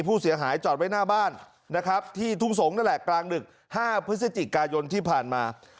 ผู้เสียหายจอดไว้หน้าบ้านนะครับที่ทุ่งสงศ์นั่นแหละกลางดึก๕พฤศจิกายนที่ผ่านมา